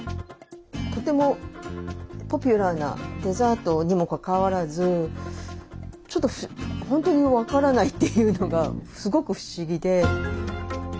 とてもポピュラーなデザートにもかかわらずちょっと本当に分からないっていうのがすごく不思議で。